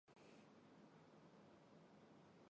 台湾早熟禾为禾本科早熟禾属下的一个种。